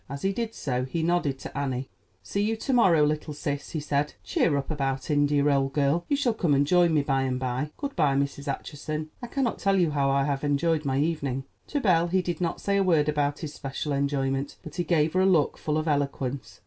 As he did so, he nodded to Annie. "See you to morrow, little sis," he said. "Cheer up about India, old girl; you shall come and join me by and by.—Good by, Mrs. Acheson; I cannot tell you how I have enjoyed my evening." To Belle he did not say a word about his special enjoyment; but he gave her a look full of eloquence.